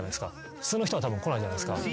普通の人はたぶんこないじゃないですか。